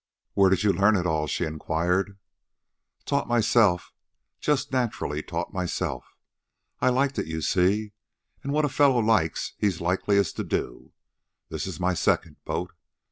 "Where did you learn it all?" she inquired. "Taught myself, just naturally taught myself. I liked it, you see, an' what a fellow likes he's likeliest to do. This is my second boat.